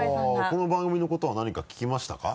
この番組のことは何か聞きましたか？